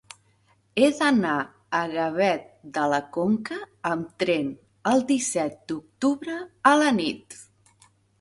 He d'anar a Gavet de la Conca amb tren el disset d'octubre a la nit.